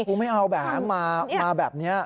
ครูไม่เอาแบบนั้นมามาแบบนี้